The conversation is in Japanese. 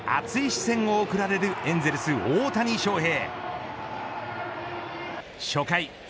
ファンから熱い視線を送られるエンゼルス大谷翔平。